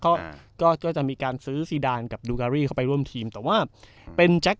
ก็ก็ก็จะมีการซื้อซีดานกับดูการีเข้าไปร่วมทีมแต่ว่าเป็นแจ็ค